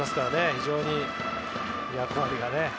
非常に役割が。